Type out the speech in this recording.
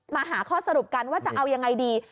มาหาข้อสรุปกันว่าจะเอายังไงดี